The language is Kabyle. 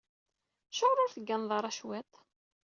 Acuɣer ur tegganeḍ ara cwiṭ?